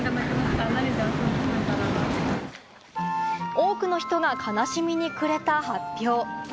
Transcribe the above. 多くの人が悲しみにくれた発表。